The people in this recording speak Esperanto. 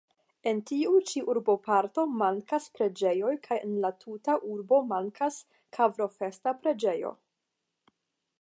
En tiu ĉi urboparto mankas preĝejoj kaj en la tuta urbo mankas Kovrofesta preĝejo.